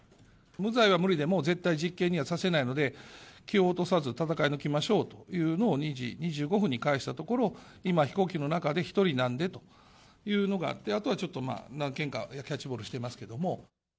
無罪は無理でも、絶対実刑にはさせないので、気を落とさず、戦い抜きましょうというのを２時２５分に返したところ、今、飛行機の中で、１人なんでというのがあって、あとはちょっとまあ、何件かキャッチボールしてますけども。